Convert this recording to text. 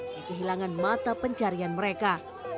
di kehilangan mata pencarian mereka